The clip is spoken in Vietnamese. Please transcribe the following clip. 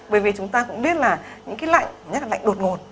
bởi vì chúng ta cũng biết là những cái lạnh nhất là lạnh đột ngột